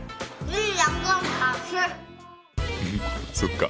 そっか。